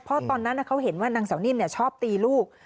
เพราะตอนนั้นเขาเห็นว่านางสาวนิ่มชอบตีลูก